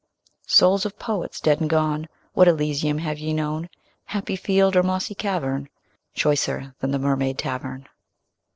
Souls of Poets dead and gone, What Elysium have ye known, Happy field or mossy cavern, Choicer than the Mermaid Tavern?